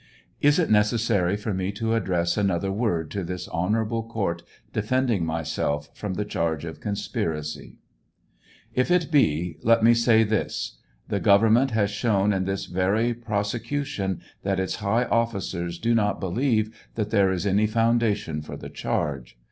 Is it necessary for me to address another word to this honorable court defend ing myself from the charge of conspiracy ? If it be, let me say this : The government has shown in this very prosecu tion that its high officers do not believe that there is any foundation for the charge.